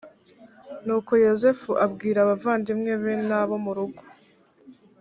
nuko yozefu abwira abavandimwe be n abo mu rugo